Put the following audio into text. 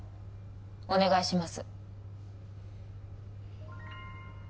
お願いします